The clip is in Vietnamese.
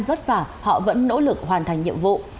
vất vả họ vẫn nỗ lực hoàn thành nhiệm vụ